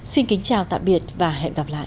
xin kính chào tạm biệt và hẹn gặp lại